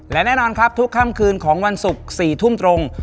และแน่นอนครับทุกค่ำคืนของวันศุกร์๔ทุ่มตรง